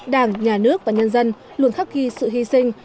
đảng nhà nước và nhân dân luôn khắc ghi sự hy sinh